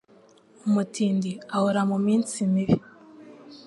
Umutindi ahora mu minsi mibi